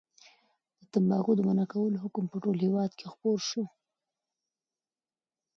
د تنباکو د منع کولو حکم په ټول هېواد کې خپور شو.